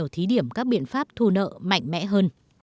thí điểm các biện pháp thu nợ mạnh mẽ hơn